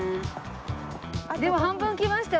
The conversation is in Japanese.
でも半分来ましたよ。